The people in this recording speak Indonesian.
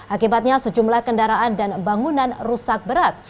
akibatnya sejumlah kendaraan dan bangunan rusak berat